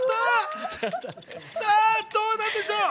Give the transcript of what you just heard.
どうなんでしょう？